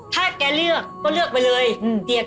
ถ้าแกเลือกก็เลือกไปเลย